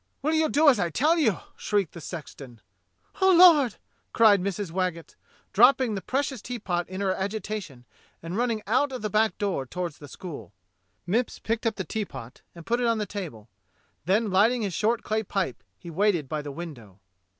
"Will you do as I tell you?" shrieked the sexton. 0h, Lord!" cried Mrs. Waggetts, dropping the precious teapot in her agitation and running out of the back door toward the school. Mipps picked up the teapot and put it on the table; then lighting his short clay pipe he waited by the window.